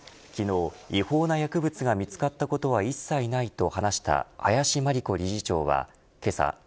昨日、違法な薬物が見つかったことは一切ないと話した林真理子理事長はけさ